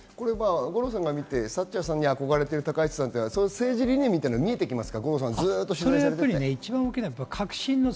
五郎さんから見てサッチャーさんに憧れている高市さん、政治理念は見えてきますか？